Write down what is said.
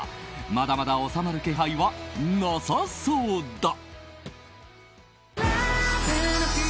まだまだ収まる気配はなさそうだ。